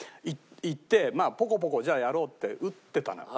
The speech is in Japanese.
行ってまあポコポコじゃあやろうって打ってたのよ。